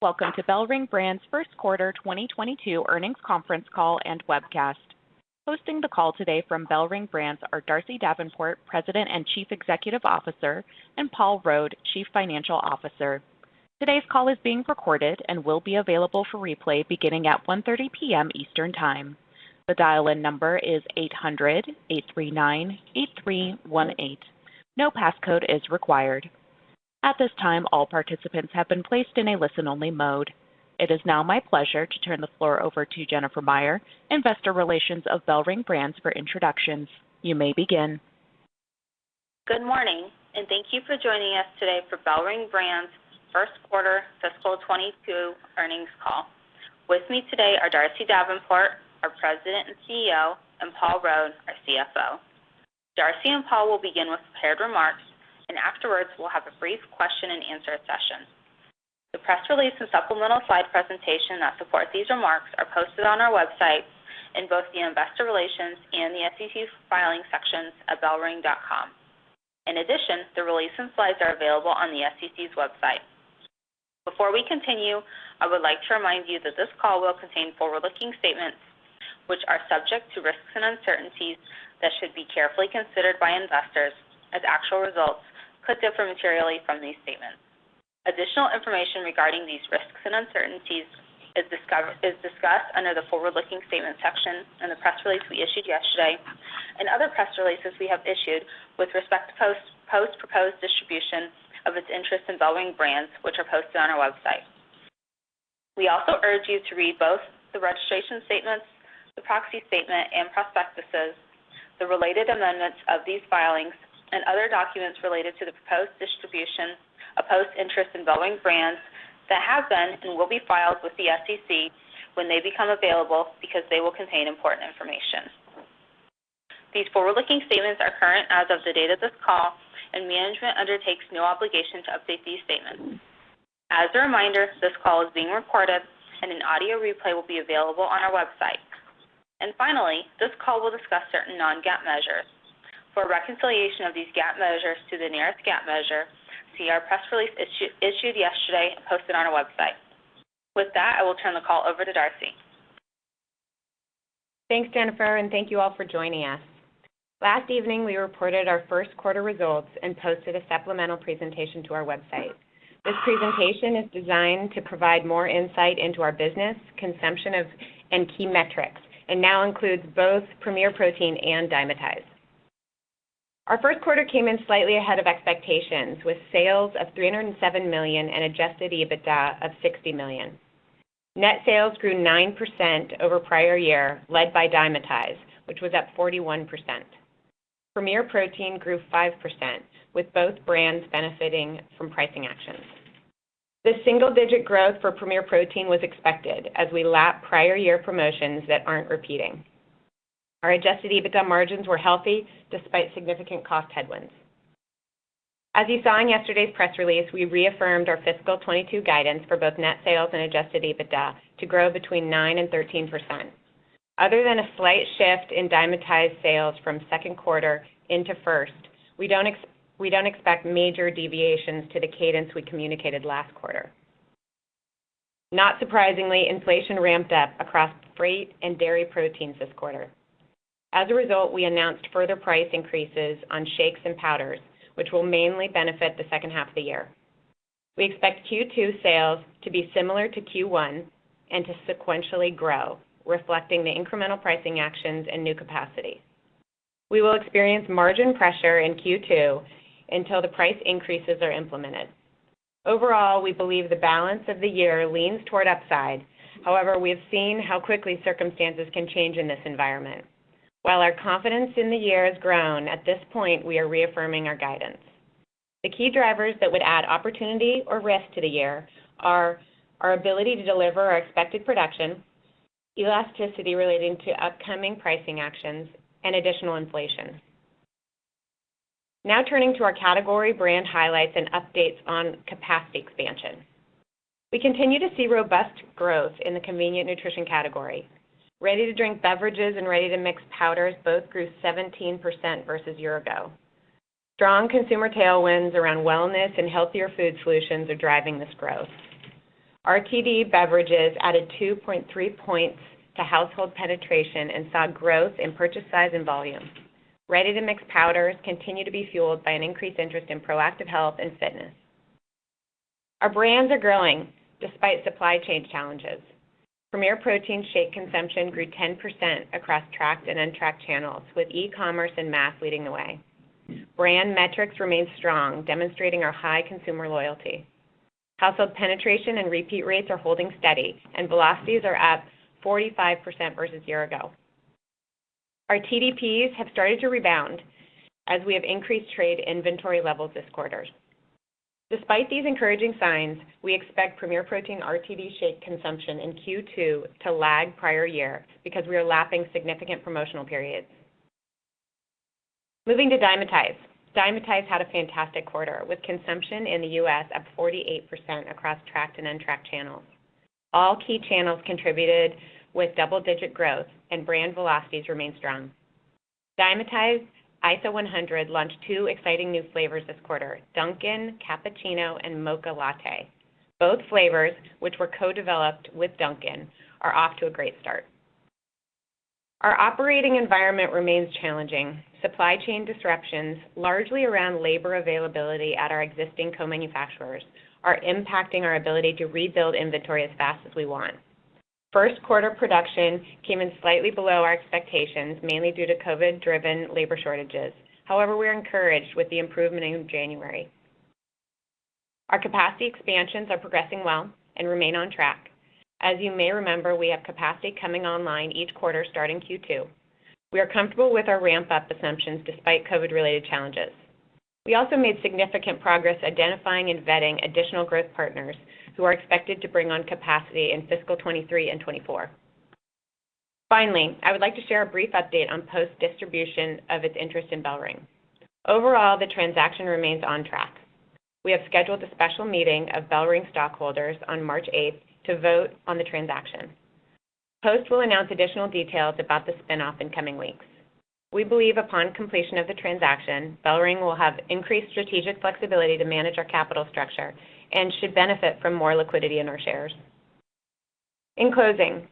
Welcome to BellRing Brands' first quarter 2022 earnings conference call and webcast. Hosting the call today from BellRing Brands are Darcy Davenport, President and Chief Executive Officer, and Paul Rode, Chief Financial Officer. Today's call is being recorded and will be available for replay beginning at 1:30 P.M. Eastern Time. The dial-in number is 800-839-8318. No passcode is required. At this time, all participants have been placed in a listen-only mode. It is now my pleasure to turn the floor over to Jennifer Meyer, Investor Relations of BellRing Brands for introductions. You may begin. Good morning, and thank you for joining us today for BellRing Brands' first quarter fiscal 2022 earnings call. With me today are Darcy Davenport, our President and CEO, and Paul Rode, our CFO. Darcy and Paul will begin with prepared remarks, and afterwards, we'll have a brief question-and-answer session. The press release and supplemental slide presentation that support these remarks are posted on our website in both the Investor Relations and the SEC filings sections at bellring.com. In addition, the release and slides are available on the SEC's website. Before we continue, I would like to remind you that this call will contain forward-looking statements which are subject to risks and uncertainties that should be carefully considered by investors as actual results could differ materially from these statements. Additional information regarding these risks and uncertainties is discussed under the forward-looking statements section in the press release we issued yesterday and other press releases we have issued with respect to Post's proposed distribution of its interest in BellRing Brands, which are posted on our website. We also urge you to read both the registration statements, the proxy statement and prospectuses, the related amendments of these filings, and other documents related to the proposed distribution of Post's interest in BellRing Brands that have been and will be filed with the SEC when they become available, because they will contain important information. These forward-looking statements are current as of the date of this call, and management undertakes no obligation to update these statements. As a reminder, this call is being recorded, and an audio replay will be available on our website. Finally, this call will discuss certain non-GAAP measures. For a reconciliation of these GAAP measures to the nearest GAAP measure, see our press release issued yesterday and posted on our website. With that, I will turn the call over to Darcy. Thanks, Jennifer, and thank you all for joining us. Last evening, we reported our first quarter results and posted a supplemental presentation to our website. This presentation is designed to provide more insight into our business, consumption and key metrics, and now includes both Premier Protein and Dymatize. Our first quarter came in slightly ahead of expectations, with sales of $307 million and adjusted EBITDA of $60 million. Net sales grew 9% over prior year, led by Dymatize, which was up 41%. Premier Protein grew 5%, with both brands benefiting from pricing actions. The single-digit growth for Premier Protein was expected as we lap prior year promotions that aren't repeating. Our adjusted EBITDA margins were healthy despite significant cost headwinds. As you saw in yesterday's press release, we reaffirmed our fiscal 2022 guidance for both net sales and Adjusted EBITDA to grow between 9%-13%. Other than a slight shift in Dymatize sales from second quarter into first, we don't expect major deviations to the cadence we communicated last quarter. Not surprisingly, inflation ramped up across freight and dairy proteins this quarter. As a result, we announced further price increases on shakes and powders, which will mainly benefit the second half of the year. We expect Q2 sales to be similar to Q1 and to sequentially grow, reflecting the incremental pricing actions and new capacity. We will experience margin pressure in Q2 until the price increases are implemented. Overall, we believe the balance of the year leans toward upside. However, we have seen how quickly circumstances can change in this environment. While our confidence in the year has grown, at this point, we are reaffirming our guidance. The key drivers that would add opportunity or risk to the year are our ability to deliver our expected production, elasticity relating to upcoming pricing actions, and additional inflation. Now turning to our category brand highlights and updates on capacity expansion. We continue to see robust growth in the convenient nutrition category. Ready-to-drink beverages and ready-to-mix powders both grew 17% versus year ago. Strong consumer tailwinds around wellness and healthier food solutions are driving this growth. RTD beverages added 2.3 points to household penetration and saw growth in purchase size and volume. Ready-to-mix powders continue to be fueled by an increased interest in proactive health and fitness. Our brands are growing despite supply chain challenges. Premier Protein shake consumption grew 10% across tracked and untracked channels, with e-commerce and mass leading the way. Brand metrics remain strong, demonstrating our high consumer loyalty. Household penetration and repeat rates are holding steady, and velocities are up 45% versus year ago. Our TDPs have started to rebound as we have increased trade inventory levels this quarter. Despite these encouraging signs, we expect Premier Protein RTD shake consumption in Q2 to lag prior year because we are lapping significant promotional periods. Moving to Dymatize. Dymatize had a fantastic quarter, with consumption in the U.S. up 48% across tracked and untracked channels. All key channels contributed with double-digit growth, and brand velocities remain strong. Dymatize ISO100 launched two exciting new flavors this quarter, Dunkin' Cappuccino and Mocha Latte. Both flavors, which were co-developed with Dunkin', are off to a great start. Our operating environment remains challenging. Supply chain disruptions, largely around labor availability at our existing co-manufacturers, are impacting our ability to rebuild inventory as fast as we want. First quarter production came in slightly below our expectations, mainly due to COVID-driven labor shortages. However, we're encouraged with the improvement in January. Our capacity expansions are progressing well and remain on track. As you may remember, we have capacity coming online each quarter starting Q2. We are comfortable with our ramp-up assumptions despite COVID-related challenges. We also made significant progress identifying and vetting additional growth partners who are expected to bring on capacity in fiscal 2023 and 2024. Finally, I would like to share a brief update on Post's distribution of its interest in BellRing. Overall, the transaction remains on track. We have scheduled a special meeting of BellRing stockholders on March 8th to vote on the transaction. Post will announce additional details about the spin-off in coming weeks. We believe upon completion of the transaction, BellRing will have increased strategic flexibility to manage our capital structure and should benefit from more liquidity in our shares. In closing,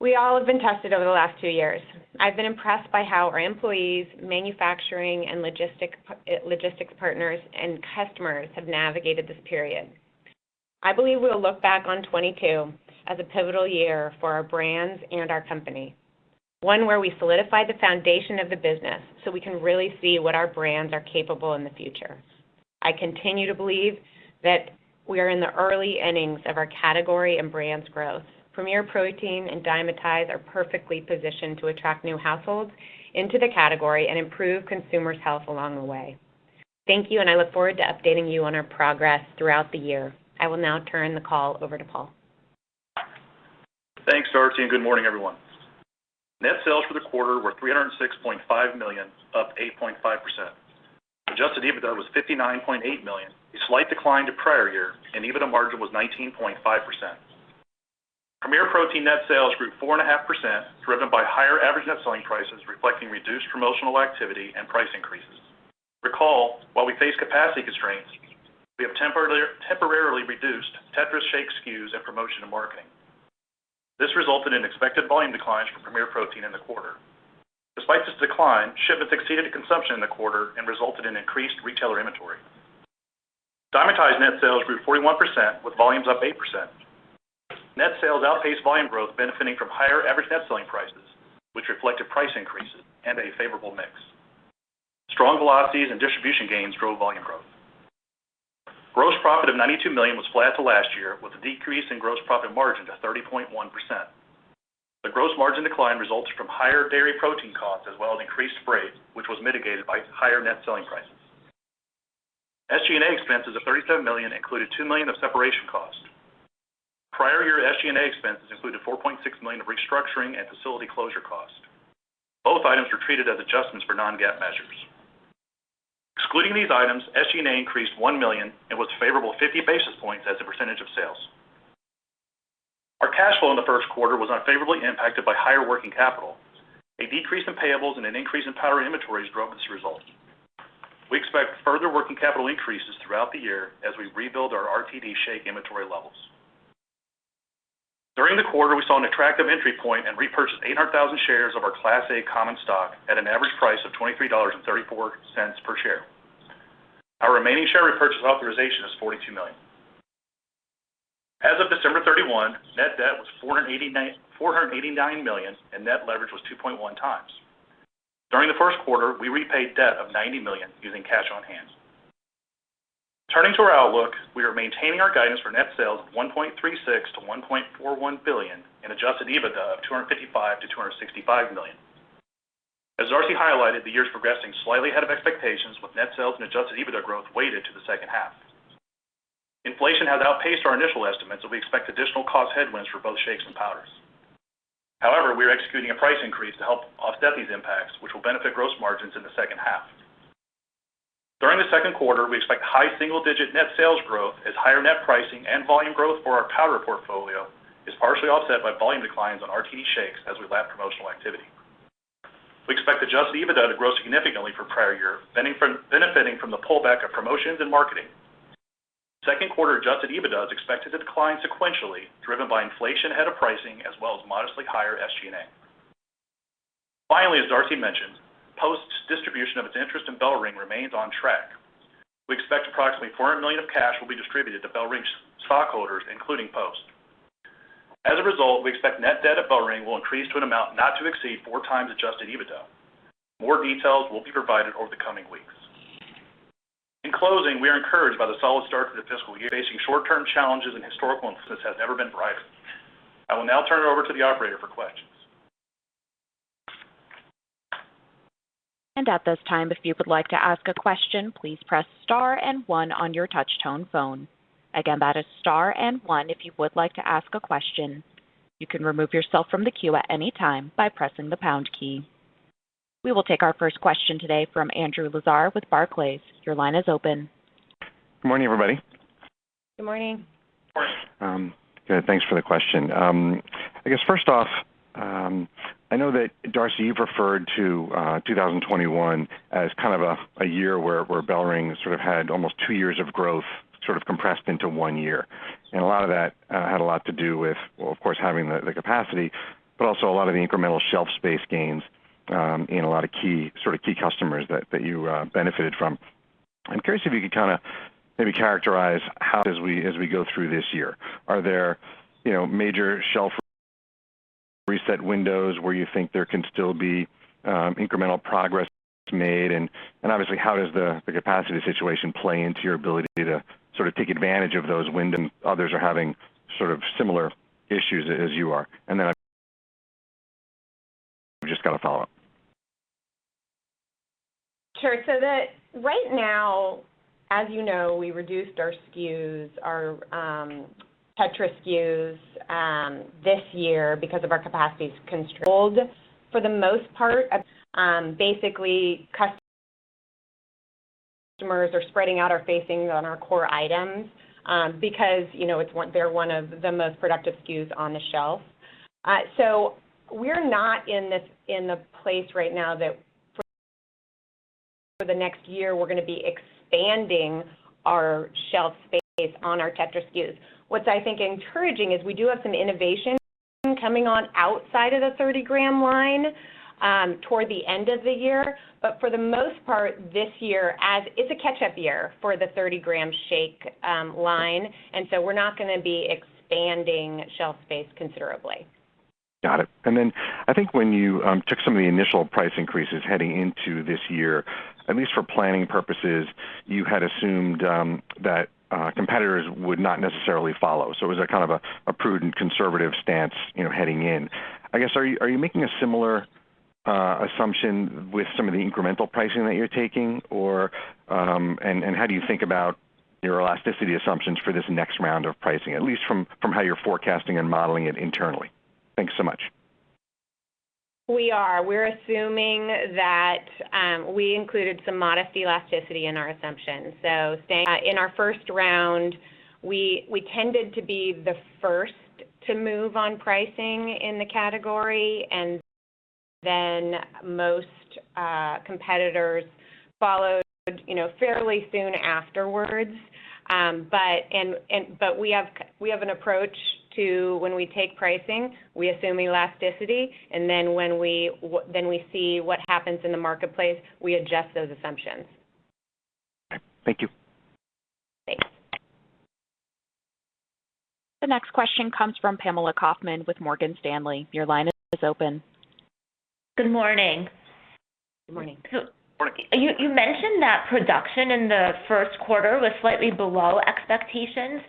we all have been tested over the last two years. I've been impressed by how our employees, manufacturing, and logistics partners and customers have navigated this period. I believe we'll look back on 2022 as a pivotal year for our brands and our company. One where we solidify the foundation of the business, so we can really see what our brands are capable in the future. I continue to believe that we are in the early innings of our category and brand's growth. Premier Protein and Dymatize are perfectly positioned to attract new households into the category and improve consumers' health along the way. Thank you, and I look forward to updating you on our progress throughout the year. I will now turn the call over to Paul. Thanks, Darcy, and good morning, everyone. Net sales for the quarter were $306.5 million, up 8.5%. Adjusted EBITDA was $59.8 million, a slight decline to prior year, and EBITDA margin was 19.5%. Premier Protein net sales grew 4.5%, driven by higher average net selling prices, reflecting reduced promotional activity and price increases. Recall, while we face capacity constraints, we have temporarily reduced Tetra Pak shake SKUs and promotions and marketing. This resulted in expected volume declines from Premier Protein in the quarter. Despite this decline, shipments exceeded consumption in the quarter and resulted in increased retailer inventory. Dymatize net sales grew 41% with volumes up 8%. Net sales outpaced volume growth benefiting from higher average net selling prices, which reflected price increases and a favorable mix. Strong velocities and distribution gains drove volume growth. Gross profit of $92 million was flat to last year with a decrease in gross profit margin to 30.1%. The gross margin decline results from higher dairy protein costs as well as increased freight, which was mitigated by higher net selling prices. SG&A expenses of $37 million included $2 million of separation costs. Prior year SG&A expenses included $4.6 million of restructuring and facility closure costs. Both items were treated as adjustments for non-GAAP measures. Excluding these items, SG&A increased $1 million and was favorable 50 basis points as a percentage of sales. Our cash flow in the first quarter was unfavorably impacted by higher working capital. A decrease in payables and an increase in powder inventories drove this result. We expect further working capital increases throughout the year as we rebuild our RTD shake inventory levels. During the quarter, we saw an attractive entry point and repurchased 800,000 shares of our Class A common stock at an average price of $23.34 per share. Our remaining share repurchase authorization is 42 million. As of December 31, net debt was $489 million, and net leverage was 2.1x. During the first quarter, we repaid debt of $90 million using cash on hand. Turning to our outlook, we are maintaining our guidance for net sales of $1.36 billion-$1.41 billion and adjusted EBITDA of $255 million-$265 million. As Darcy highlighted, the year's progressing slightly ahead of expectations with net sales and adjusted EBITDA growth weighted to the second half. Inflation has outpaced our initial estimates, and we expect additional cost headwinds for both shakes and powders. However, we are executing a price increase to help offset these impacts, which will benefit gross margins in the second half. During the second quarter, we expect high single-digit net sales growth as higher net pricing and volume growth for our powder portfolio is partially offset by volume declines on RTD shakes as we lap promotional activity. We expect Adjusted EBITDA to grow significantly from prior year, benefiting from the pullback of promotions and marketing. Second quarter Adjusted EBITDA is expected to decline sequentially, driven by inflation ahead of pricing as well as modestly higher SG&A. Finally, as Darcy mentioned, Post's distribution of its interest in BellRing remains on track. We expect approximately $400 million of cash will be distributed to BellRing's stockholders, including Post. As a result, we expect net debt at BellRing will increase to an amount not to exceed 4x Adjusted EBITDA. More details will be provided over the coming weeks. In closing, we are encouraged by the solid start to the fiscal year. Facing short-term challenges, the future has never been brighter. I will now turn it over to the operator for questions. At this time, if you would like to ask a question, please press star and one on your touch-tone phone. Again, that is star and one if you would like to ask a question. You can remove yourself from the queue at any time by pressing the pound key. We will take our first question today from Andrew Lazar with Barclays. Your line is open. Good morning, everybody. Good morning. Good morning. Good. Thanks for the question. I guess first off, I know that Darcy, you've referred to 2021 as kind of a year where BellRing sort of had almost two years of growth, sort of compressed into one year. A lot of that had a lot to do with, well, of course, having the capacity, but also a lot of the incremental shelf space gains in a lot of key, sort of key customers that you benefited from. I'm curious if you could kinda maybe characterize how as we go through this year. Are there, you know, major shelf reset windows where you think there can still be incremental progress made? Obviously, how does the capacity situation play into your ability to sort of take advantage of those when others are having sort of similar issues as you are? Then I've just got a follow-up. Sure. Right now, as you know, we reduced our SKUs, our Tetra SKUs this year because our capacity is constrained. For the most part, basically customers are spreading out our facings on our core items because, you know, they're one of the most productive SKUs on the shelf. We're not in the place right now that for the next year, we're gonna be expanding our shelf space on our Tetra SKUs. What I think encouraging is we do have some innovation coming on outside of the 30-gram line toward the end of the year. For the most part this year as it's a catch-up year for the 30-gram shake line, we're not gonna be expanding shelf space considerably. Got it. Then I think when you took some of the initial price increases heading into this year, at least for planning purposes, you had assumed that competitors would not necessarily follow. It was a kind of a prudent conservative stance, you know, heading in. I guess, are you making a similar assumption with some of the incremental pricing that you're taking or and how do you think about your elasticity assumptions for this next round of pricing, at least from how you're forecasting and modeling it internally? Thanks so much. We're assuming that we included some modest elasticity in our assumptions. In our first round, we tended to be the first to move on pricing in the category, and then most competitors followed, you know, fairly soon afterwards. We have an approach to when we take pricing, we assume elasticity, and then when we see what happens in the marketplace, we adjust those assumptions. Okay. Thank you. Thanks. The next question comes from Pamela Kaufman with Morgan Stanley. Your line is open. Good morning. Good morning. You mentioned that production in the first quarter was slightly below expectations.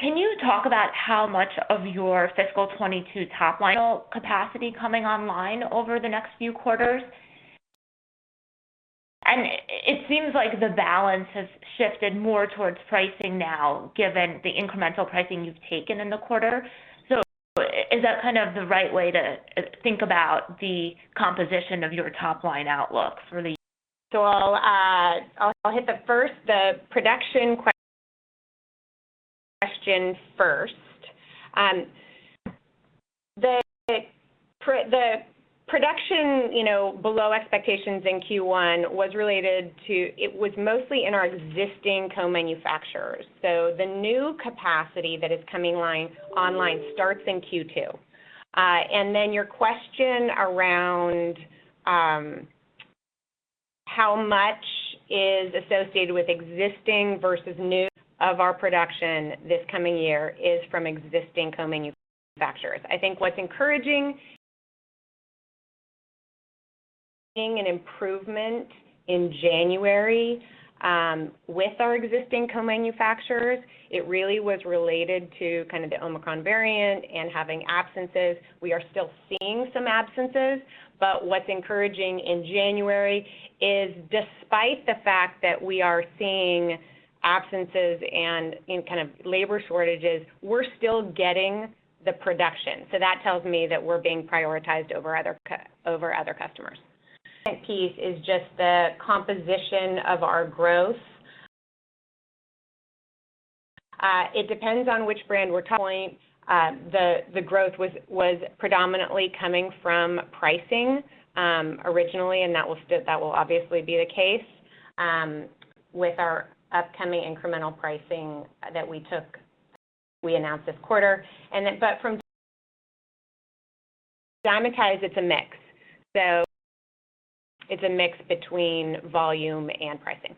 Can you talk about how much of your fiscal 2022 top-line capacity coming online over the next few quarters? It seems like the balance has shifted more towards pricing now, given the incremental pricing you've taken in the quarter. Is that kind of the right way to think about the composition of your top-line outlook for the year? I'll hit the first production question first. The production, you know, below expectations in Q1 was related to it. It was mostly in our existing co-manufacturers. The new capacity that is coming online starts in Q2. And then your question around how much is associated with existing versus new of our production this coming year is from existing co-manufacturers. I think what's encouraging is the improvement in January with our existing co-manufacturers. It really was related to kind of the Omicron variant and having absences. We are still seeing some absences, but what's encouraging in January is despite the fact that we are seeing absences and kind of labor shortages, we're still getting the production. That tells me that we're being prioritized over other customers. Second piece is just the composition of our growth. It depends on which brand we're talking. The growth was predominantly coming from pricing, originally, and that will obviously be the case with our upcoming incremental pricing that we took, we announced this quarter. From Dymatize, it's a mix. It's a mix between volume and pricing.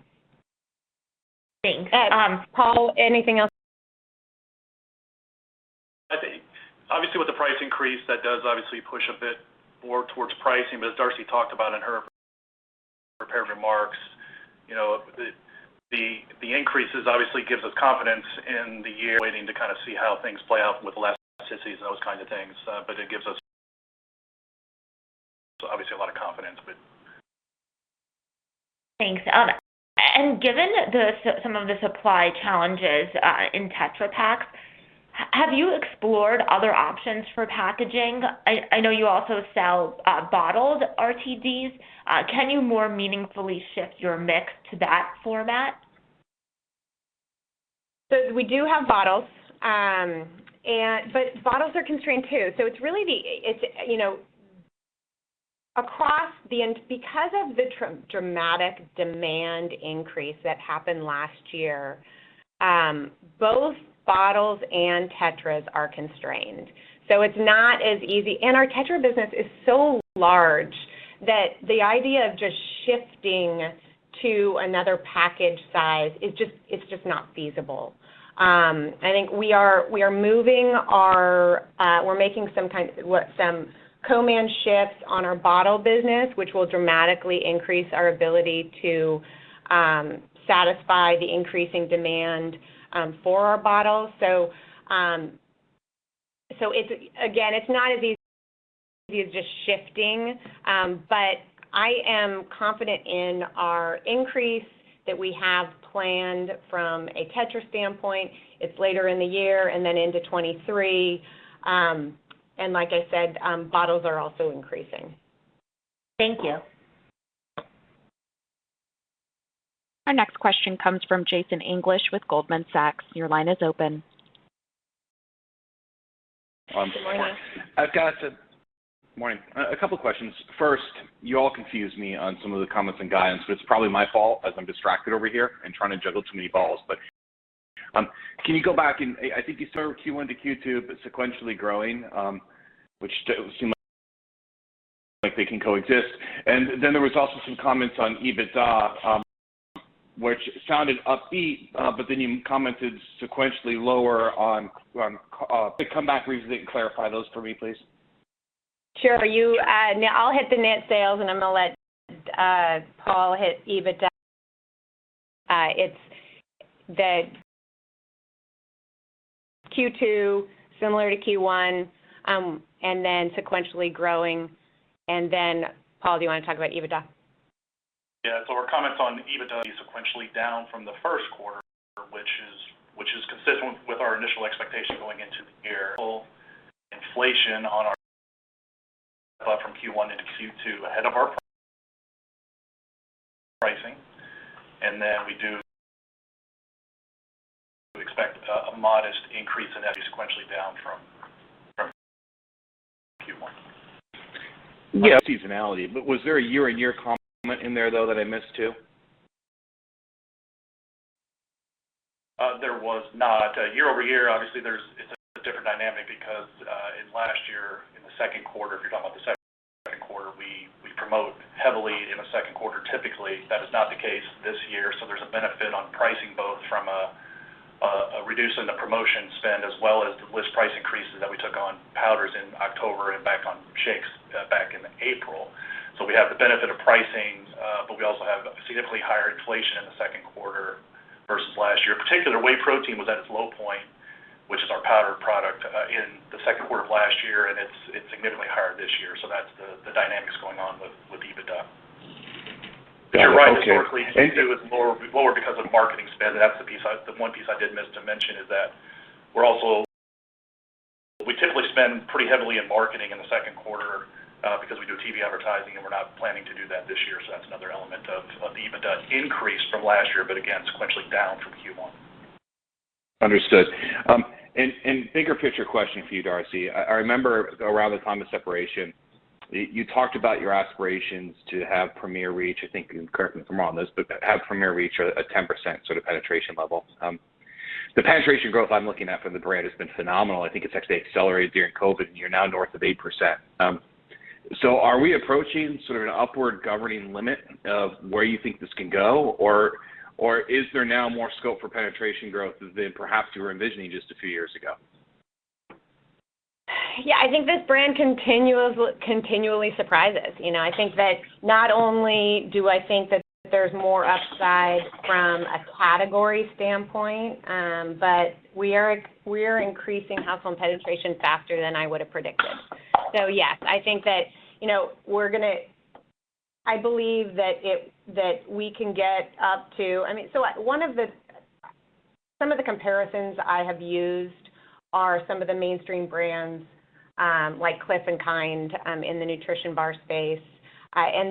Thanks. Paul, anything else? I think obviously with the price increase, that does obviously push a bit more towards pricing. As Darcy talked about in her prepared remarks, you know, the increases obviously gives us confidence in the year, waiting to kinda see how things play out with elasticities and those kinds of things. It gives us obviously a lot of confidence with. Thanks. Given some of the supply challenges in Tetra Pak, Have you explored other options for packaging? I know you also sell bottled RTDs. Can you more meaningfully shift your mix to that format? We do have bottles. Bottles are constrained too. It's really across the industry because of the dramatic demand increase that happened last year, both bottles and Tetras are constrained. It's not as easy. Our Tetra business is so large that the idea of just shifting to another package size, it's just not feasible. I think we are making some co-man shifts on our bottle business, which will dramatically increase our ability to satisfy the increasing demand for our bottles. It's not as easy as just shifting. I am confident in our increase that we have planned from a Tetra standpoint. It's later in the year and then into 2023. Like I said, bottles are also increasing. Thank you. Our next question comes from Jason English with Goldman Sachs. Your line is open. Good morning. Morning. A couple of questions. First, you all confuse me on some of the comments and guidance, but it's probably my fault as I'm distracted over here and trying to juggle too many balls. Can you go back and I think you started Q1 to Q2, but sequentially growing, which does seem like they can coexist. Then there was also some comments on EBITDA, which sounded upbeat, but then you commented sequentially lower on, could you come back briefly and clarify those for me, please. Sure. Now I'll hit the net sales, and I'm gonna let Paul hit EBITDA. It's the Q2 similar to Q1, and then sequentially growing. Paul, do you wanna talk about EBITDA? Yeah. Our comments on EBITDA be sequentially down from the first quarter, which is consistent with our initial expectation going into the year, inflation from Q1 into Q2 ahead of our pricing. We do expect a modest increase in that sequentially down from Q1. Yeah. Seasonality. Was there a year-on-year comment in there, though, that I missed too? There was not. Year-over-year, obviously, there's a different dynamic because in last year, in the second quarter, if you're talking about the second quarter, we promote heavily in the second quarter typically. That is not the case this year. So there's a benefit on pricing both from reducing the promotion spend as well as the list price increases that we took on powders in October and back on shakes back in April. So we have the benefit of pricing, but we also have significantly higher inflation in the second quarter versus last year. Particularly whey protein was at its low point, which is our powdered product, in the second quarter of last year, and it's significantly higher this year. So that's the dynamics going on with EBITDA. Got it. Okay. You're right, historically, Q2 is lower because of marketing spend. That's the piece I did miss to mention is that we typically spend pretty heavily in marketing in the second quarter, because we do TV advertising, and we're not planning to do that this year. That's another element of EBITDA increase from last year, but again, sequentially down from Q1. Understood. Bigger picture question for you, Darcy. I remember around the time of separation, you talked about your aspirations to have Premier reach, I think, and correct me if I'm wrong on this, but have Premier reach a 10% sort of penetration level. The penetration growth I'm looking at for the brand has been phenomenal. I think it's actually accelerated during COVID, and you're now north of 8%. Are we approaching sort of an upward governing limit of where you think this can go? Or is there now more scope for penetration growth than perhaps you were envisioning just a few years ago? Yeah. I think this brand continually surprises. You know, I think that not only do I think that there's more upside from a category standpoint, but we are increasing household penetration faster than I would have predicted. Yes, I think that, you know, I believe that we can get up to. I mean, some of the comparisons I have used are some of the mainstream brands, like Clif and Kind, in the nutrition bar space.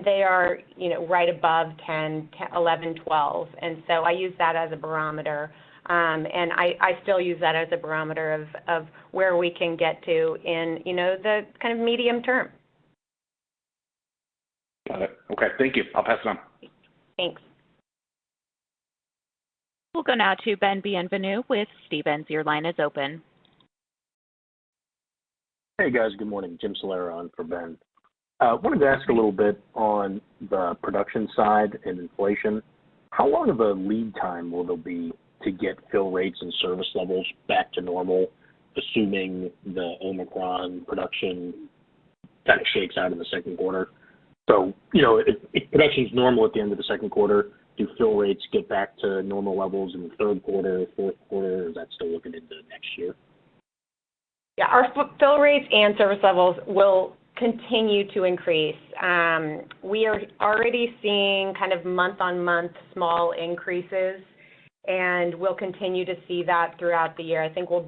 They are, you know, right above 10%, 11%, 12%. I use that as a barometer. I still use that as a barometer of where we can get to in the kind of medium term. Got it. Okay. Thank you. I'll pass it on. Thanks. We'll go now to Ben Bienvenu with Stephens. Your line is open. Hey, guys. Good morning. Jim Salera on for Ben. Wanted to ask a little bit on the production side and inflation. How long of a lead time will there be to get fill rates and service levels back to normal, assuming the Omicron production kind of shakes out in the second quarter? You know, if production is normal at the end of the second quarter, do fill rates get back to normal levels in the third quarter, fourth quarter? Is that still looking into next year? Yeah, our fill rates and service levels will continue to increase. We are already seeing kind of month-on-month small increases, and we'll continue to see that throughout the year. I think we'll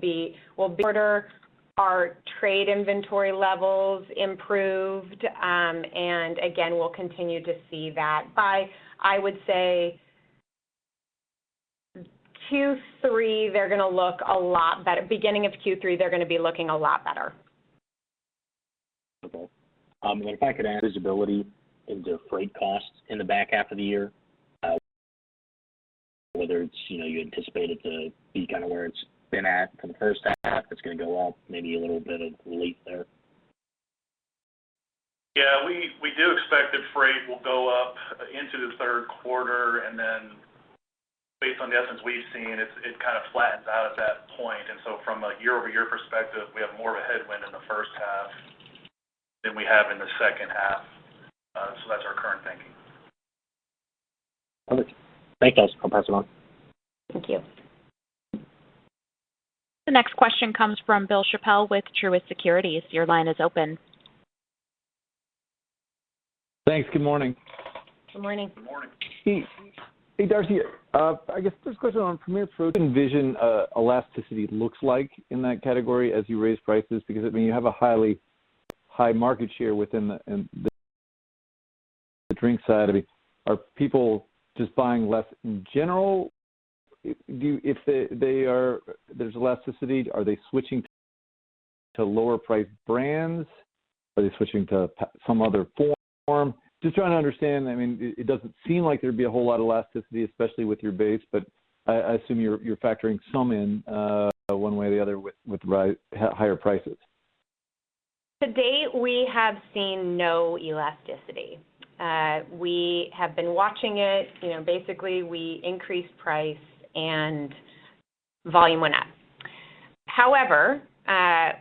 have our trade inventory levels improved, and again, we'll continue to see that by, I would say, Q3, they're gonna look a lot better. Beginning of Q3, they're gonna be looking a lot better. Okay. If I could add visibility into freight costs in the back half of the year, whether it's, you know, you anticipate it to be kinda where it's been at for the first half, it's gonna go up maybe a little bit of leap there. Yeah. We do expect that freight will go up into the third quarter, and then based on the evidence we've seen, it kinda flattens out at that point. From a year-over-year perspective, we have more of a headwind in the first half than we have in the second half. That's our current thinking. Perfect. Thanks, guys. I'll pass it on. Thank you. The next question comes from Bill Chappell with Truist Securities. Your line is open. Thanks. Good morning. Good morning. Good morning. Hey. Hey, Darcy. I guess first question on Premier Protein, what you envision the elasticity looks like in that category as you raise prices. Because I mean, you have a high market share in the drink side. I mean, are people just buying less in general? If there is elasticity, are they switching to lower priced brands? Are they switching to some other form? Just trying to understand. I mean, it doesn't seem like there'd be a whole lot of elasticity, especially with your base, but I assume you're factoring some in one way or the other with higher prices. To date, we have seen no elasticity. We have been watching it. You know, basically, we increased price and volume went up. However,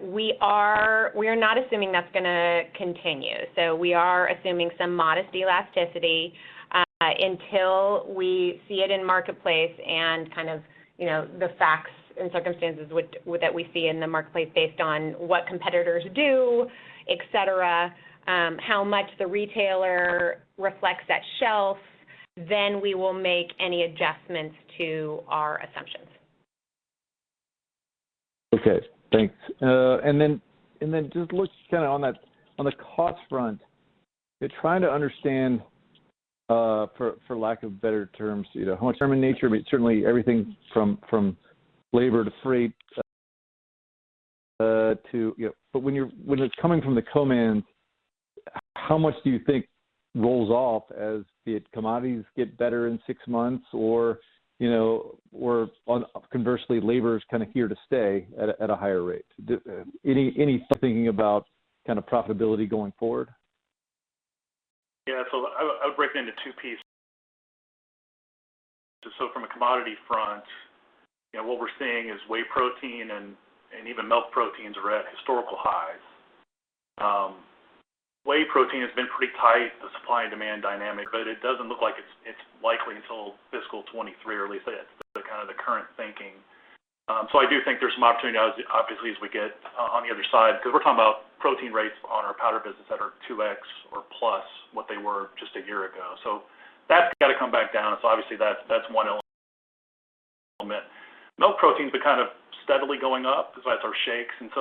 we are not assuming that's gonna continue. We are assuming some modest elasticity, until we see it in marketplace and kind of, you know, the facts and circumstances which we see in the marketplace based on what competitors do, et cetera, how much the retailer reflects that shelf, then we will make any adjustments to our assumptions. Okay. Thanks. Just look kinda on that on the cost front, trying to understand, for lack of better terms, you know, how much is transient in nature, but certainly everything from labor to freight, you know. When it's coming from the co-mans, how much do you think rolls off as the commodities get better in six months or, you know, or conversely, labor is kinda here to stay at a higher rate? Any thinking about kind of profitability going forward? Yeah. I would break it into two pieces. From a commodity front, you know, what we're seeing is whey protein and even milk proteins are at historical highs. Whey protein has been pretty tight, the supply and demand dynamic, but it doesn't look like it's likely until fiscal 2023, or at least that's the kind of current thinking. I do think there's some opportunity as obviously as we get on the other side, 'cause we're talking about protein rates on our powder business that are 2x or plus what they were just a year ago. That's gotta come back down. Obviously, that's one element. Milk protein's been kind of steadily going up as that's our shakes. I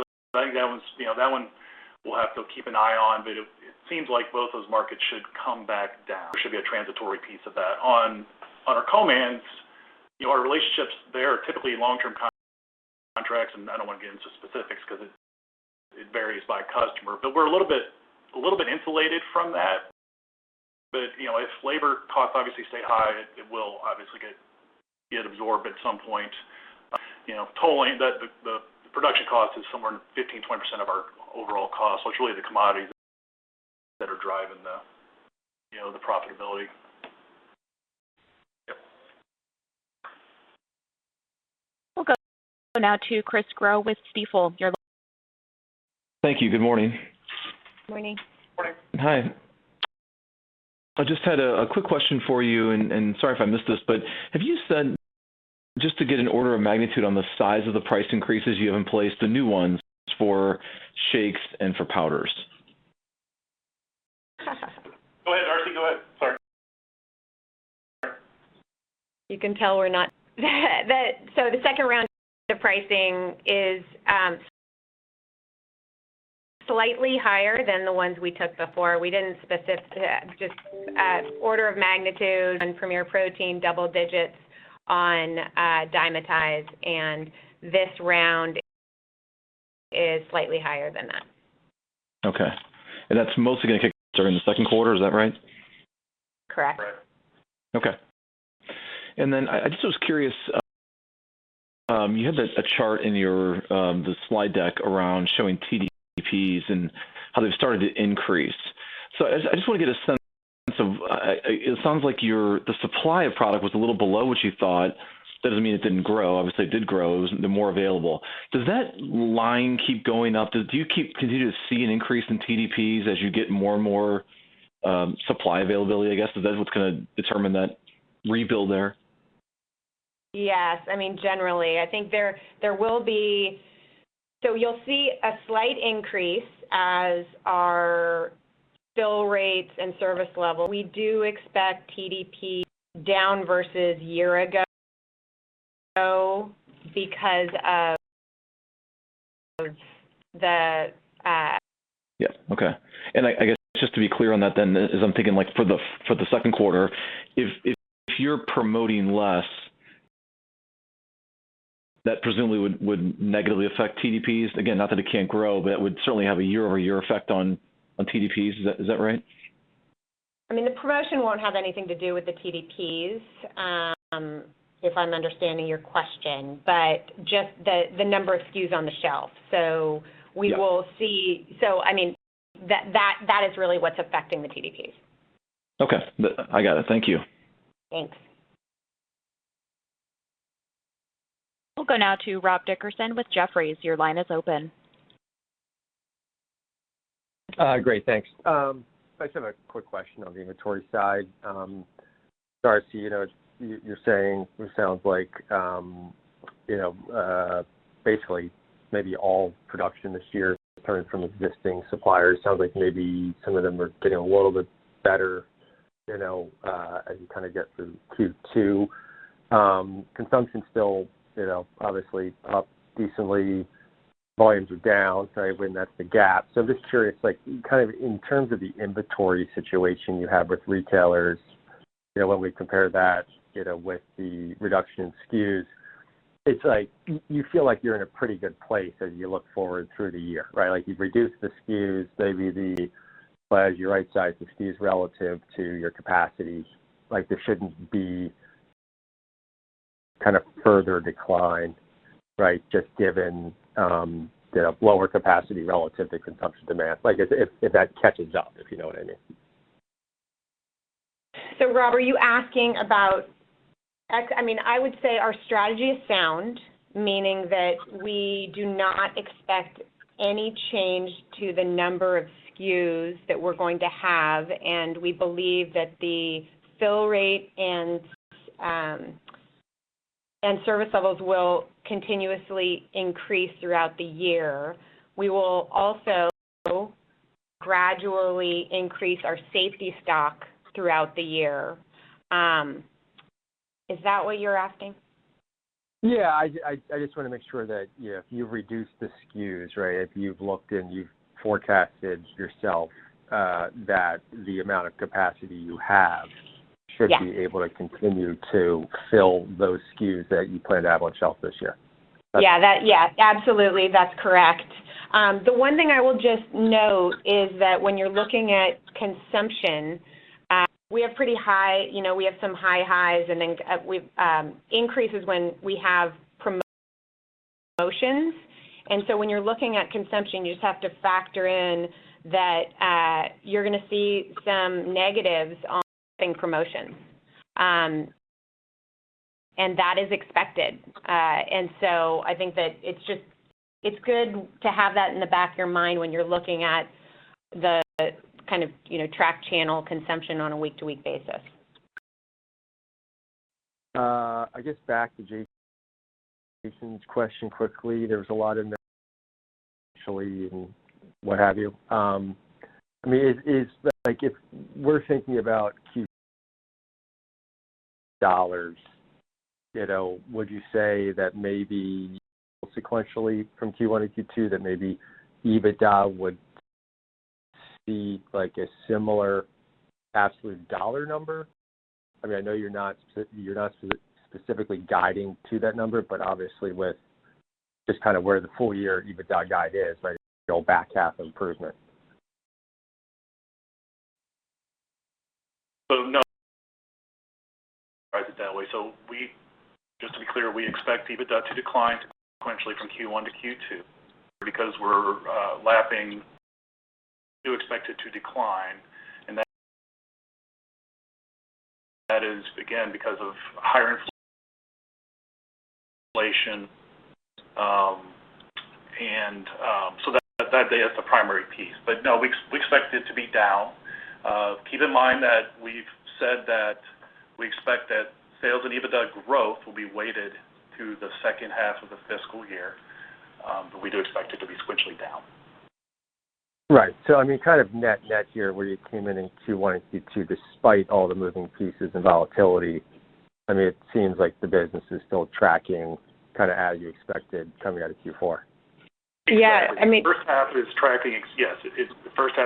think that one's, you know, that one we'll have to keep an eye on. It seems like both those markets should come back down. There should be a transitory piece of that. On our co-mans, you know, our relationships there are typically long-term contracts, and I don't wanna get into specifics 'cause it varies by customer. You know, if labor costs obviously stay high, it will obviously get absorbed at some point. You know, totaling the production cost is somewhere in 15%-20% of our overall cost, so it's really the commodities that are driving the you know the profitability. We'll go now to Chris Growe with Stifel. You're welcome. Thank you. Good morning. Good morning. Morning. Hi. I just had a quick question for you, and sorry if I missed this, but have you said just to get an order of magnitude on the size of the price increases you have in place, the new ones for shakes and for powders? Go ahead, Darcy. Go ahead. Sorry. The second round of pricing is slightly higher than the ones we took before. Just an order of magnitude on Premier Protein, double digits on Dymatize, and this round is slightly higher than that. Okay. That's mostly gonna kick during the second quarter. Is that right? Correct. Correct. I just was curious. You had a chart in your slide deck around showing TDPs and how they've started to increase. I just wanna get a sense of it. It sounds like your supply of product was a little below what you thought. That doesn't mean it didn't grow. Obviously, it did grow. It was more available. Does that line keep going up? Do you continue to see an increase in TDPs as you get more and more supply availability, I guess? That's what's gonna determine that rebuild there. Yes. I mean, generally, you'll see a slight increase in our fill rates and service level. We do expect TDP down versus year ago because of the... Yeah. Okay. I guess just to be clear on that then, I'm thinking like for the second quarter, if you're promoting less, that presumably would negatively affect TDPs. Again, not that it can't grow, but it would certainly have a year-over-year effect on TDPs. Is that right? I mean, the promotion won't have anything to do with the TDPs, if I'm understanding your question, but just the number of SKUs on the shelf. We will see. Yeah. I mean, that is really what's affecting the TDPs. Okay. I got it. Thank you. Thanks. We'll go now to Rob Dickerson with Jefferies. Your line is open. Great. Thanks. I just have a quick question on the inventory side. Darcy, you're saying it sounds like basically maybe all production this year is coming from existing suppliers. Sounds like maybe some of them are getting a little bit better as we kinda get through Q2. Consumption's still obviously up decently. Volumes are down, sorry, when that's the gap. I'm just curious, like, kind of in terms of the inventory situation you have with retailers, when we compare that with the reduction in SKUs, it's like you feel like you're in a pretty good place as you look forward through the year, right? Like, you've reduced the SKUs, maybe the... As you right-size the SKUs relative to your capacity, like, there shouldn't be kind of further decline, right, just given the lower capacity relative to consumption demand. Like, if that catches up, if you know what I mean. Rob, are you asking? I mean, I would say our strategy is sound, meaning that we do not expect any change to the number of SKUs that we're going to have, and we believe that the fill rate and service levels will continuously increase throughout the year. We will also gradually increase our safety stock throughout the year. Is that what you're asking? I just wanna make sure that, you know, if you've reduced the SKUs, right, if you've looked and you've forecasted yourself, that the amount of capacity you have- Yeah Should be able to continue to fill those SKUs that you plan to have on shelf this year. Yeah, absolutely. That's correct. The one thing I will just note is that when you're looking at consumption, we have pretty high, you know, we have some high highs and then we see increases when we have promotions. When you're looking at consumption, you just have to factor in that you're gonna see some negatives on promotions. That is expected. I think that it's just good to have that in the back of your mind when you're looking at the kind of, you know, tracked channel consumption on a week-to-week basis. I guess back to Jason's question quickly, there was a lot of I mean, like if we're thinking about Q dollars, you know, would you say that maybe sequentially from Q1 to Q2, that maybe EBITDA would see like a similar absolute dollar number? I mean, I know you're not specifically guiding to that number, but obviously with just kind of where the full year EBITDA guide is, right, back half improvement. No. Write it that way. Just to be clear, we expect EBITDA to decline sequentially from Q1 to Q2 because we're lapping. We do expect it to decline, and that is again because of higher inflation, and that is the primary piece. We expect it to be down. Keep in mind that we've said that we expect that sales and EBITDA growth will be weighted to the second half of the fiscal year, but we do expect it to be sequentially down. Right. I mean, kind of net-net here, where you came in in Q1 and Q2, despite all the moving pieces and volatility, I mean, it seems like the business is still tracking kind of as you expected coming out of Q4. Yeah. I mean. The first half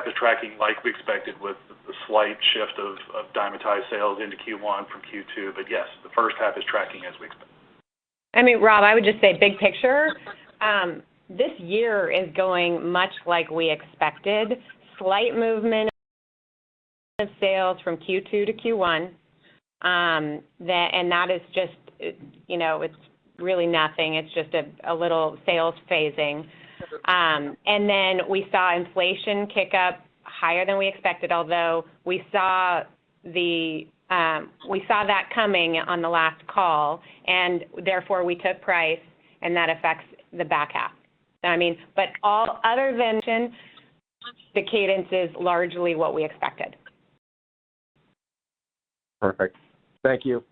is tracking like we expected with the slight shift of Dymatize sales into Q1 from Q2. Yes, the first half is tracking as we expected. I mean, Rob, I would just say big picture, this year is going much like we expected. Slight movement of sales from Q2 to Q1, that is just, you know, it's really nothing. It's just a little sales phasing. And then we saw inflation kick up higher than we expected, although we saw that coming on the last call, and therefore we took price, and that affects the back half. I mean, all other than the cadence is largely what we expected. Perfect. Thank you.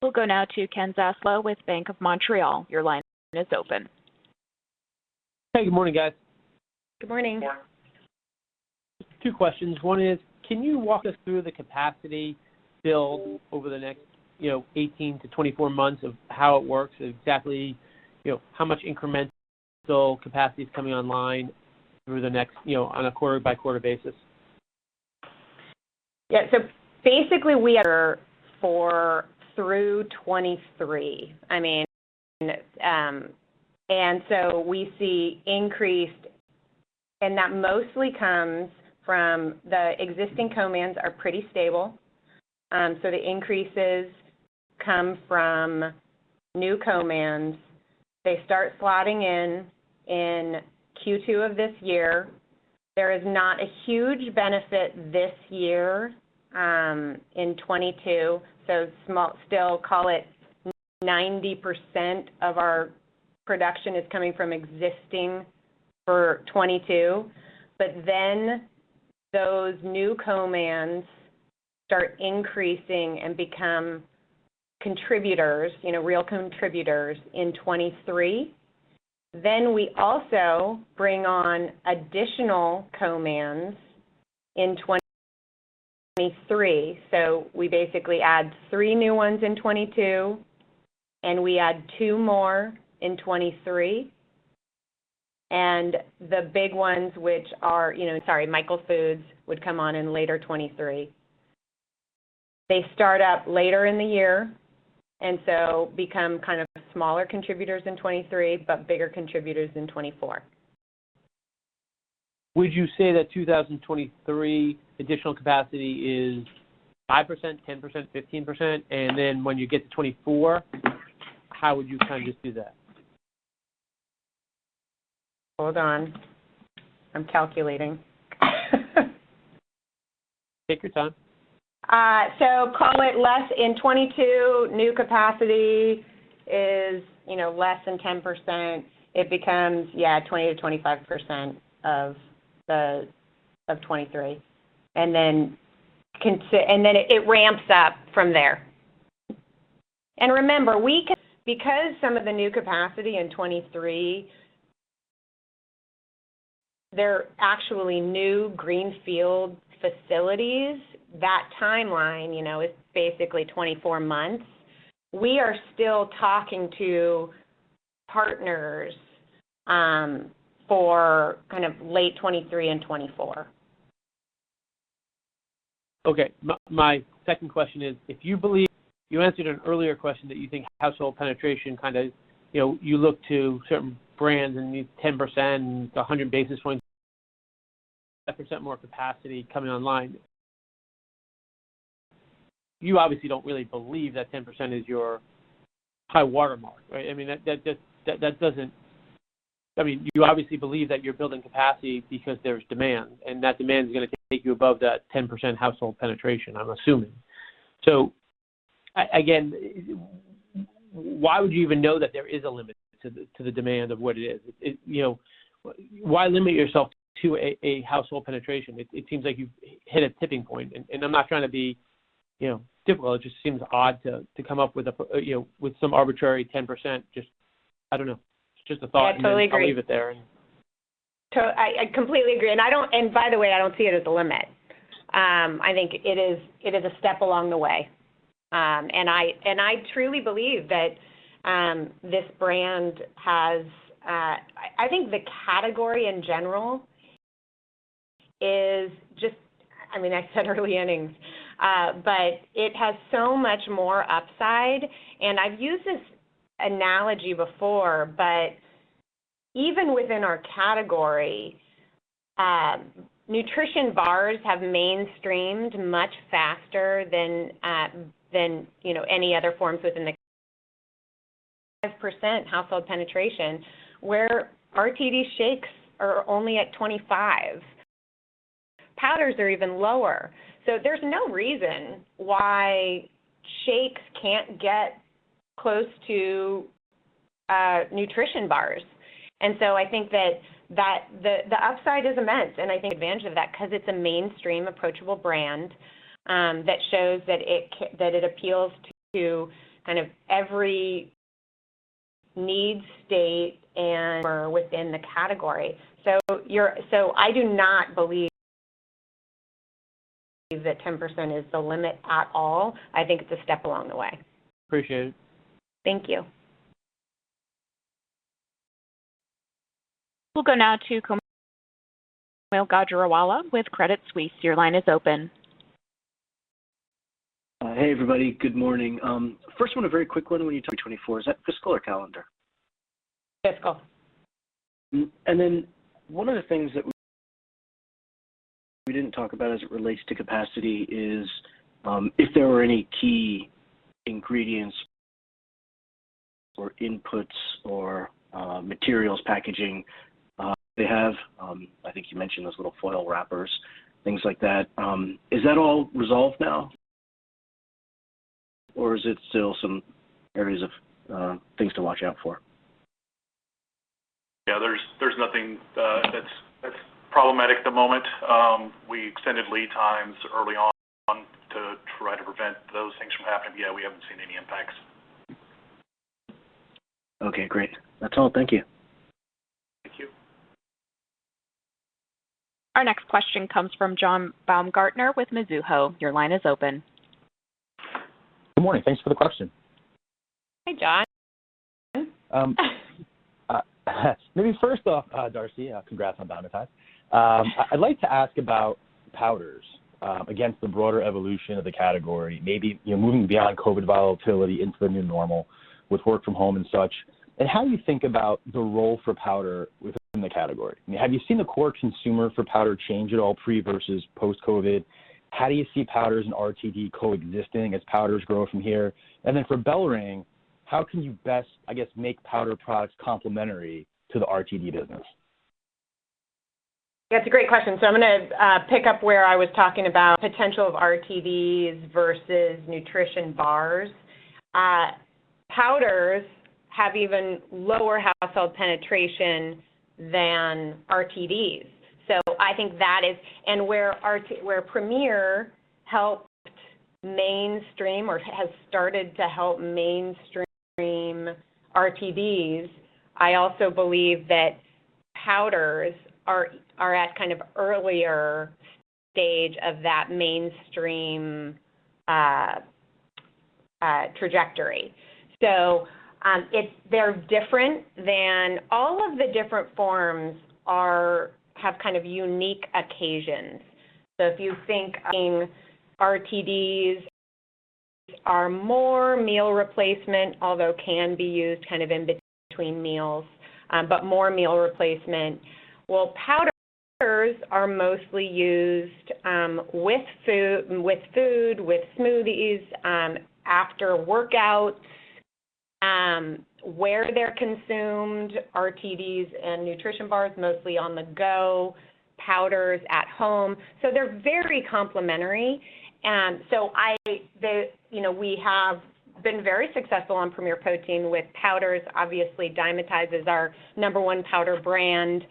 Thanks. We'll go now to Ken Zaslow with Bank of Montreal. Your line is open. Hey, good morning, guys. Good morning. Two questions. One is, can you walk us through the capacity build over the next, you know, 18-24 months of how it works exactly? You know, how much incremental capacity is coming online through the next, you know, on a quarter-by-quarter basis? Yeah. Basically, we're full through 2023. I mean, we see increased. That mostly comes from the existing co-mans are pretty stable. The increases come from new co-mans. They start slotting in in Q2 of this year. There is not a huge benefit this year in 2022. Small, still call it 90% of our production is coming from existing for 2022. But then those new co-mans start increasing and become contributors, you know, real contributors in 2023. We also bring on additional co-mans in 2023. We basically add three new ones in 2022, and we add two more in 2023. The big ones, which are, you know, sorry, Michael Foods, would come on in later 2023. They start up later in the year and become kind of smaller contributors in 2023, but bigger contributors in 2024. Would you say that 2023 additional capacity is 5%, 10%, 15%? When you get to 2024, how would you kind of just do that? Hold on. I'm calculating. Take your time. Call it less in 2022, new capacity is, you know, less than 10%. It becomes, yeah, 20%-25% of 2023. Then it ramps up from there. Remember, because some of the new capacity in 2023, they're actually new greenfield facilities, that timeline, you know, is basically 24 months. We are still talking to partners for kind of late 2023 and 2024. Okay. My second question is, if you believe you answered an earlier question that you think household penetration kinda, you know, you look to certain brands and need 10%, 100 basis points, 10% more capacity coming online. You obviously don't really believe that 10% is your high watermark, right? I mean, that doesn't. I mean, you obviously believe that you're building capacity because there's demand, and that demand is gonna take you above that 10% household penetration, I'm assuming. So again, why would you even know that there is a limit to the demand of what it is? It, you know, why limit yourself to a household penetration? It seems like you've hit a tipping point. I'm not trying to be, you know, difficult. It just seems odd to come up with, you know, with some arbitrary 10% just, I don't know. It's just a thought. Yeah, I totally agree. I'll leave it there. I completely agree. By the way, I don't see it as a limit. I think it is a step along the way. I truly believe that, I think the category in general is just, I mean, I said early innings, but it has so much more upside. I've used this analogy before, but even within our category, nutrition bars have mainstreamed much faster than you know any other forms within the percent household penetration, where RTD shakes are only at 25%. Powders are even lower. There's no reason why shakes can't get close to nutrition bars. I think that the upside is immense. I think advantage of that, 'cause it's a mainstream, approachable brand, that shows that it appeals to kind of every need state and within the category. I do not believe that 10% is the limit at all. I think it's a step along the way. Appreciate it. Thank you. We'll go now to Kaumil Gajrawala with Credit Suisse. Your line is open. Hey, everybody. Good morning. First one, a very quick one. When you talk 2024, is that fiscal or calendar? Fiscal. One of the things that we didn't talk about as it relates to capacity is, if there were any key ingredients or inputs or, materials, packaging, they have, I think you mentioned those little foil wrappers, things like that, is that all resolved now? Is it still some areas of, things to watch out for? Yeah, there's nothing that's problematic at the moment. We extended lead times early on to try to prevent those things from happening. Yeah, we haven't seen any impacts. Okay, great. That's all. Thank you. Thank you. Our next question comes from John Baumgartner with Mizuho. Your line is open. Good morning. Thanks for the question. Hi, John. Maybe first off, Darcy, congrats on Dymatize. I'd like to ask about powders against the broader evolution of the category, maybe, you know, moving beyond COVID volatility into the new normal with work from home and such. How do you think about the role for powder within the category? I mean, have you seen the core consumer for powder change at all pre versus post-COVID? How do you see powders and RTD coexisting as powders grow from here? Then for BellRing, how can you best, I guess, make powder products complementary to the RTD business? That's a great question. I'm gonna pick up where I was talking about potential of RTDs versus nutrition bars. Powders have even lower household penetration than RTDs. I think that is where Premier helped mainstream or has started to help mainstream RTDs. I also believe that powders are at kind of earlier stage of that mainstream trajectory. They're different than all of the different forms have kind of unique occasions. If you think, I mean, RTDs are more meal replacement, although can be used kind of in between meals, but more meal replacement, while powders are mostly used with food, with smoothies, after workouts. Where they're consumed, RTDs and nutrition bars, mostly on the go, powders at home. They're very complementary. You know, we have been very successful on Premier Protein with powders. Obviously, Dymatize is our number one powder brand.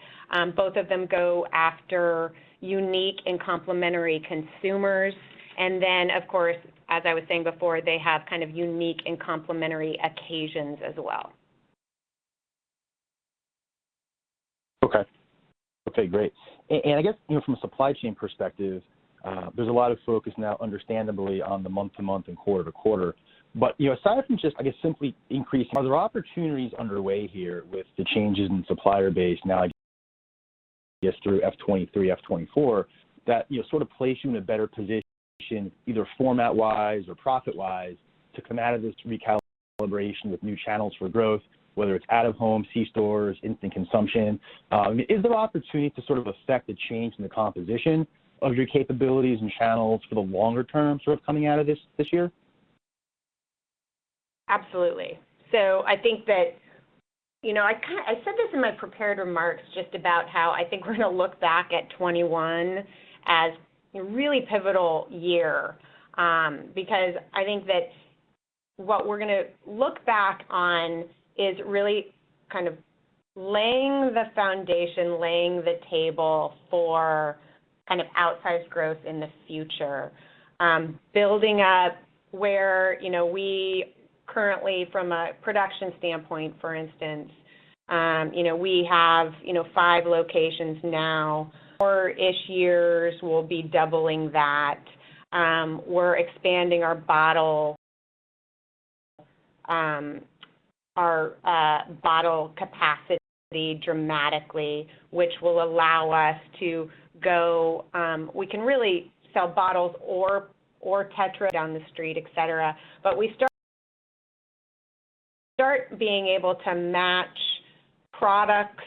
Both of them go after unique and complementary consumers. Of course, as I was saying before, they have kind of unique and complementary occasions as well. Okay. Okay, great. I guess, you know, from a supply chain perspective, there's a lot of focus now, understandably, on the month-to-month and quarter-to-quarter. You know, aside from just, I guess, simply increasing, are there opportunities underway here with the changes in supplier base now, I guess, through FY 2023, FY 2024, that, you know, sort of place you in a better position either format-wise or profit-wise to come out of this recalibration with new channels for growth, whether it's out of home, C-stores, instant consumption? Is there opportunity to sort of affect the change in the composition of your capabilities and channels for the longer term, sort of coming out of this year? Absolutely. I think that. You know, I said this in my prepared remarks just about how I think we're gonna look back at 2021 as a really pivotal year, because I think that what we're gonna look back on is really kind of laying the foundation, laying the table for kind of outsized growth in the future, building up where, you know, we currently from a production standpoint, for instance, you know, we have, you know, five locations now. Four-ish years, we'll be doubling that. We're expanding our bottle capacity dramatically, which will allow us to go. We can really sell bottles or Tetra down the street, et cetera. We start being able to match products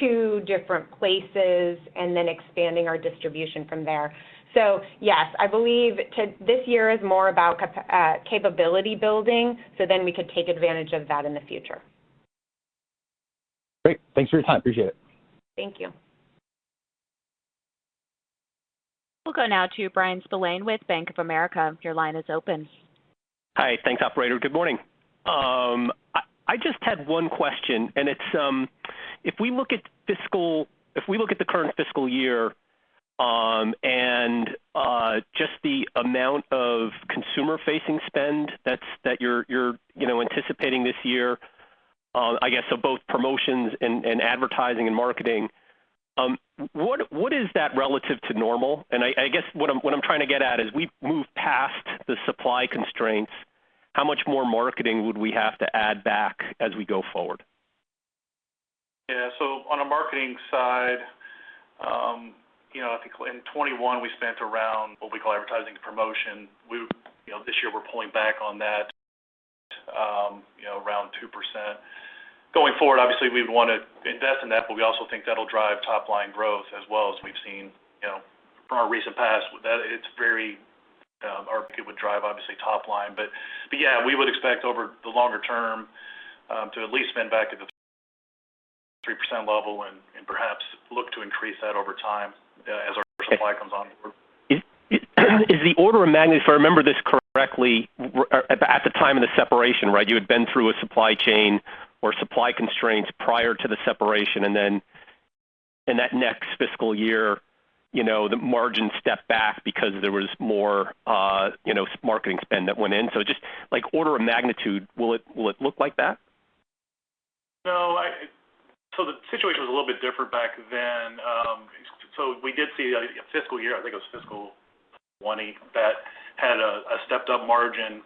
to different places and then expanding our distribution from there. Yes, I believe this year is more about capability building, so then we could take advantage of that in the future. Great. Thanks for your time. Appreciate it. Thank you. We'll go now to Bryan Spillane with Bank of America. Your line is open. Hi. Thanks, operator. Good morning. I just had one question, and it's if we look at the current fiscal year and just the amount of consumer-facing spend that you're you know anticipating this year, I guess, of both promotions and advertising and marketing, what is that relative to normal? I guess, what I'm trying to get at is we've moved past the supply constraints. How much more marketing would we have to add back as we go forward? Yeah. On a marketing side, you know, I think in 2021, we spent around what we call advertising to promotion. We, you know, this year, we're pulling back on that, you know, around 2%. Going forward, obviously, we'd want to invest in that, but we also think that'll drive top-line growth as well as we've seen, you know, from our recent past. That would drive top line. But yeah, we would expect over the longer term to at least spend back at the 3% level and perhaps look to increase that over time as our supply comes on board. Is the order of magnitude, if I remember this correctly, at the time of the separation, right, you had been through a supply chain or supply constraints prior to the separation, and then in that next fiscal year, you know, the margin stepped back because there was more, you know, marketing spend that went in. Just, like, order of magnitude, will it look like that? No. The situation was a little bit different back then. We did see a fiscal year, I think it was fiscal 2020, that had a stepped up margin.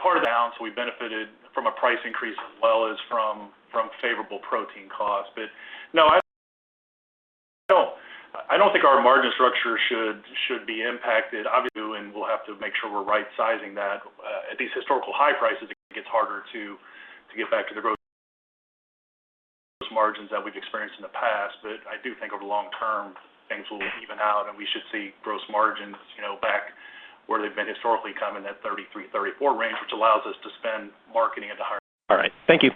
Part of that we benefited from a price increase as well as from favorable protein costs. No, I don't think our margin structure should be impacted. Obviously, we'll have to make sure we're right sizing that. At these historical high prices, it gets harder to get back to the gross margins that we've experienced in the past. I do think over the long term, things will even out, and we should see gross margins, you know, back where they've been historically coming at 33%-34% range, which allows us to spend marketing at the higher. All right. Thank you.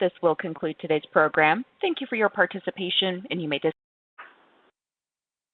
This will conclude today's program. Thank you for your participation, and you may disconnect.